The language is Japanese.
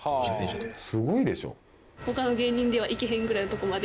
すごいでしょ？